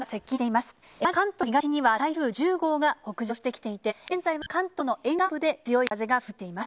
まず関東の東には台風１０号が北上してきていて、現在は関東の沿岸部で強い風が吹いています。